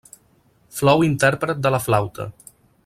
Flou intèrpret de la flauta.